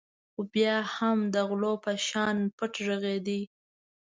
خو بیا هم د غلو په شانې پټ غږېدو.